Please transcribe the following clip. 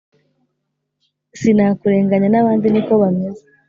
Sinakurenganya nabandi niko bameze